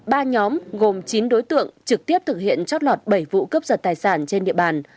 ba nhóm gồm chín đối tượng trực tiếp thực hiện trót lọt bảy vụ cướp giật tài sản trên địa bàn